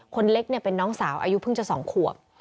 คนเล็กเนี่ยเป็นน้องสาวอายุเพิ่งจะสองขวบ